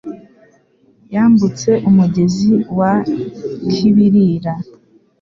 yambutse umugezi wa Kibilira.